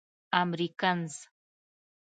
امريکنز.